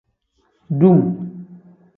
Dum.